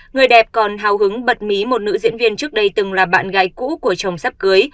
người đẹp còn hào hứng bật mí một nữ diễn viên trước đây từng là bạn gái cũ của chồng sắp cưới